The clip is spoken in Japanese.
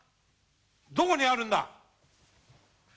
どこにあるんだ！？